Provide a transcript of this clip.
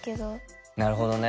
なるほどね。